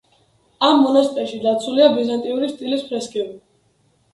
ამ მონასტერში დაცულია ბიზანტიური სტილის ფრესკები.